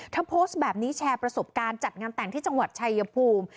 โพสต์แบบนี้แชร์ประสบการณ์จัดงานแต่งที่จังหวัดชายภูมิ